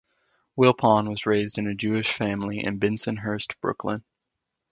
Wilpon was raised in a Jewish family in Bensonhurst, Brooklyn.